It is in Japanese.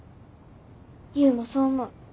唯もそう思う。